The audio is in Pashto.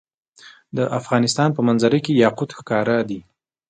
د افغانستان په منظره کې یاقوت ښکاره ده.